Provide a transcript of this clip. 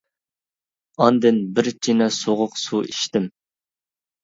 ئاندىن بىر چىنە سوغۇق سۇ ئىچتىم.